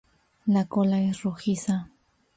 La cola es rojiza.